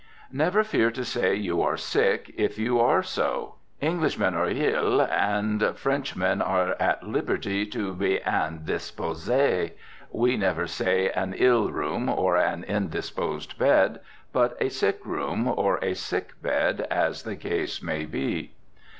Never fear to say you are sick, if you are so. Englishmen are h'ill, and Frenchmen are at liberty to be indisposé. We never say "an ill room," or "an indisposed bed," but "a sick room" or "a sick bed," as the case may be.